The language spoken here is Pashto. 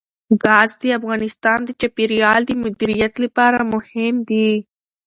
ګاز د افغانستان د چاپیریال د مدیریت لپاره مهم دي.